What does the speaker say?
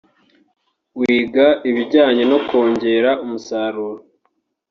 wiga ibijyanye no kongera umusaruro